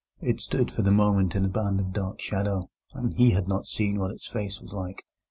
It stood for the moment in a band of dark shadow, and he had not seen what its face was like.